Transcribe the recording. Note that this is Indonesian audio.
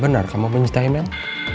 benar kamu mencintai mel